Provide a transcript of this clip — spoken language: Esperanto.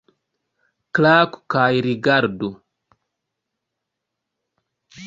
Klaku kaj rigardu!